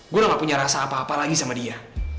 gue gak punya rasa apa apa lagi sama dia